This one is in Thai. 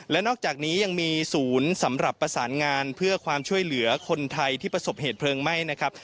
และนอกจากนี้ยังมีศูนย์สำหรับประสานงานเพื่อความช่วยเหลือคนไทยที่ประสบเหตุเพลิงไหม้นะครับ